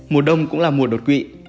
mùa đông cũng là mùa đột quỵ